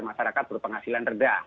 masyarakat berpenghasilan rendah